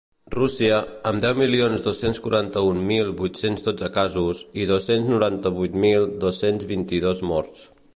Rússia, amb deu milions dos-cents quaranta-un mil vuit-cents dotze casos i dos-cents noranta-vuit mil dos-cents vint-i-dos morts.